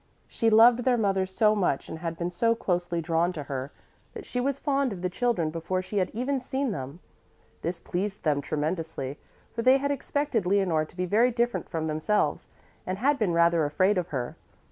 She loved their mother so much and had been so closely drawn to her that she was fond of the children before she had even seen them. This pleased them tremendously, for they had expected Leonore to be very different from themselves and had been rather afraid of her.